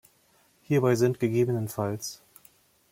Hierbei sind ggf.